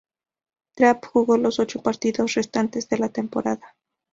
Trapp jugó los ocho partidos restantes de la temporada.